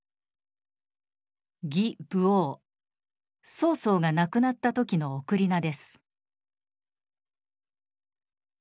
曹操が亡くなった時の諡です。